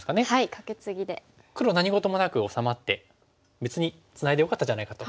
黒何事もなく治まって別にツナいでよかったじゃないかと。